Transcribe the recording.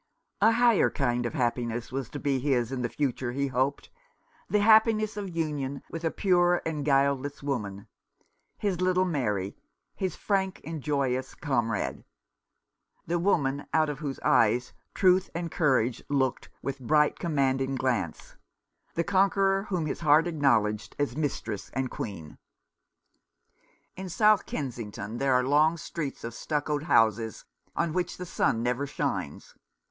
A higher kind of happiness was to be his in the future, he hoped — the happiness of union with a pure and guileless woman ; his little Mary, his frank and joyous comrade ; the woman out of whose eyes truth and courage looked with bright commanding glance ; the conqueror whom his heart acknowledged as mistress and queen. In South Kensington there are long streets of i?8 A Death blow. stuccoed houses on which the sun never shines.